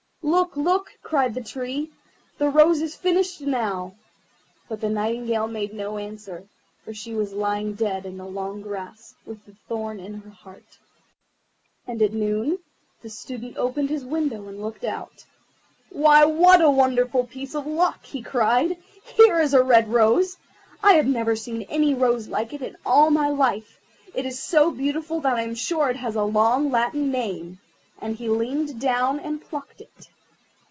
"Look, look!" cried the Tree, "the rose is finished now"; but the Nightingale made no answer, for she was lying dead in the long grass, with the thorn in her heart. And at noon the Student opened his window and looked out. "Why, what a wonderful piece of luck!" he cried; "here is a red rose! I have never seen any rose like it in all my life. It is so beautiful that I am sure it has a long Latin name"; and he leaned down and plucked it.